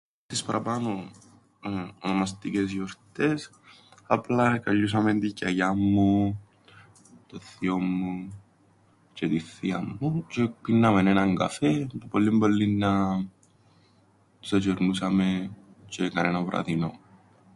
Τις παραπάνω ονομαστικές γιορτές απλά εκαλιούσαμεν την γιαγιάν μου, τον θείον μου τζ̆αι την θείαν μου, τζ̆αι επίνναμεν έναν καφέν. Το πολλύν πολλύν να τους ετζ̆ερνούσαμεν τζ̆αι κανέναν βραδινόν.